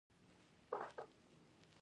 هغه دا دی چې ښځه په خپه حالت او غم کې نه وي.